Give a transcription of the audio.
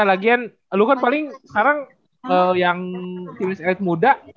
lagian lu kan paling sekarang yang timis elit muda